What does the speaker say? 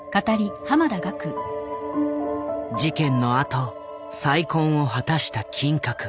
事件のあと再建を果たした金閣。